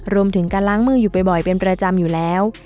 รวมถึงการล้างมืออยู่บ่อยเป็นประจำอยู่แล้ว